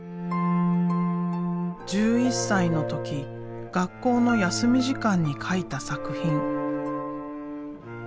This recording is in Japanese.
１１歳の時学校の休み時間に描いた作品。